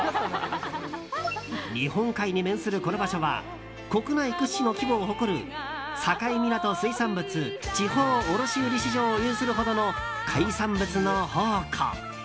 日本海に面するこの場所は国内屈指の規模を誇る境港水産物地方卸売市場を有するほどの海産物の宝庫。